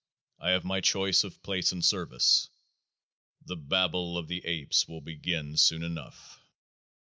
I have my choice of place and service ; the babble of the apes will begin soon enough.